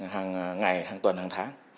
hàng ngày hàng tuần hàng tháng